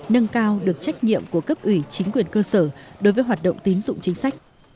nâng cao được trách nhiệm của cấp ủy chính quyền cơ sở đối với hoạt động tín dụng chính sách